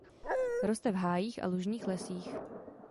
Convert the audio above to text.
Roste v hájích a lužních lesích.